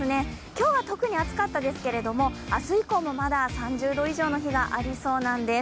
今日は特に暑かったですけれども、明日以降もまだ３０度以上の日がありそうなんです。